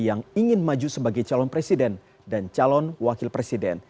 yang ingin maju sebagai calon presiden dan calon wakil presiden